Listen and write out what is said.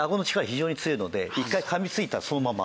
非常に強いので一回噛みついたらそのまま。